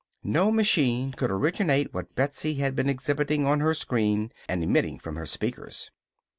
No machine could originate what Betsy had been exhibiting on her screen and emitting from her speakers.